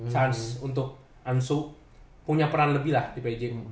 chance untuk anso punya peran lebih lah di pj